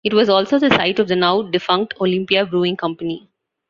It was also the site of the now-defunct Olympia Brewing Company.